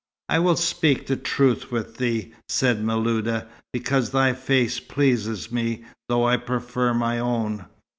"I will speak the truth with thee," said Miluda, "because thy face pleases me, though I prefer my own.